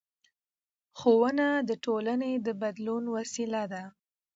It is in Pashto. ښوونه د ټولنې د بدلون وسیله ده